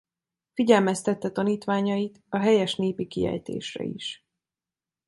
Figyelmeztette tanítványait a helyes népi kiejtésre is.